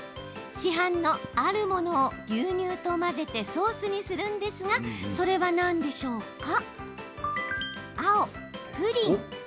市販のあるものを牛乳と混ぜてソースにするんですがそれは何でしょうか？